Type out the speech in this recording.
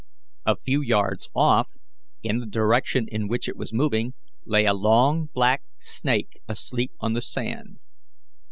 A few yards off, in the direction in which it was moving, lay a long black snake asleep on the sand.